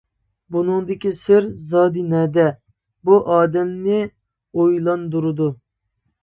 بۇنىڭدىكى سىر زادى نەدە؟ بۇ ئادەمنى ئويلاندۇرىدۇ.